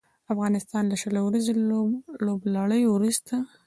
افغانستان له شل اوريزې لوبلړۍ وروسته